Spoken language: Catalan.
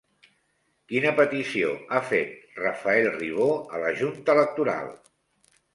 Quina petició ha fet Rafael Ribó a la junta electoral?